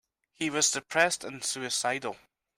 He was depressed and suicidal.